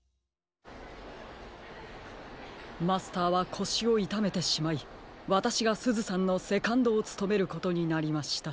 マスターはこしをいためてしまいわたしがすずさんのセカンドをつとめることになりました。